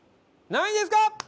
何位ですか？